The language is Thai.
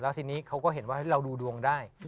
ทีนี้เขาก็เห็นว่าเราดูดวงได้